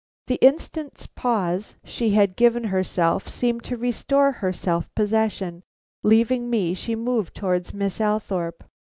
The instant's pause she had given herself seemed to restore her self possession. Leaving me, she moved towards Miss Althorpe.